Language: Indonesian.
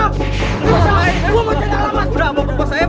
udah mau ke pos aja pak